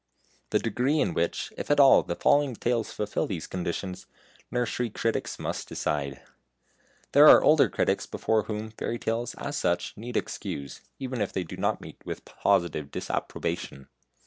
The degree in which, if at all, the following tales fulfil these conditions, nursery critics must decide. There are older critics before whom fairy tales, as such, need excuse, even if they do not meet with positive disapprobation.